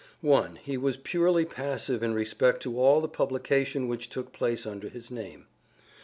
1. He was purely passive in respect to all the publication which took place under his name.